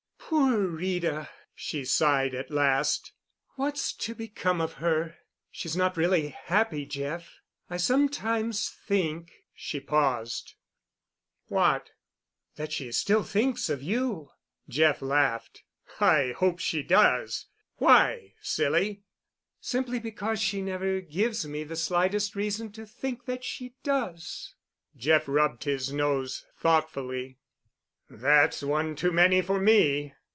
"Poor Rita," she sighed at last, "what's to become of her? She's not really happy, Jeff. I sometimes think——" she paused. "What?" "That she still thinks of you." Jeff laughed. "I hope she does. Why, silly?" "Simply because she never gives me the slightest reason to think that she does." Jeff rubbed his nose thoughtfully. "That's one too many for me."